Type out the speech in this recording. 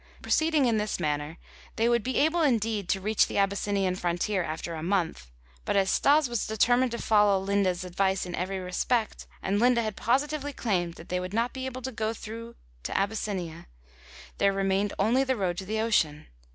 Proceeding in this manner they would be able indeed to reach the Abyssinian frontier after a month, but as Stas was determined to follow Linde's advice in every respect, and Linde had positively claimed that they would not be able to go through to Abyssinia, there remained only the road to the ocean.